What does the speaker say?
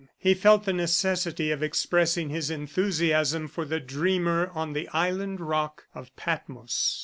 He felt the necessity of expressing his enthusiasm for the dreamer on the island rock of Patmos.